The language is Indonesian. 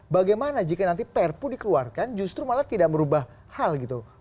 bagaimana jika nanti perpu dikeluarkan justru malah tidak merubah hal gitu